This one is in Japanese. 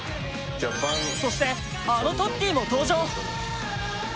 そして、あのトッティも登場。